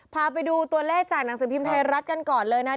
พาไปดูตัวเลขจากหนังสือพิมพ์ไทยรัฐกันก่อนเลยนะ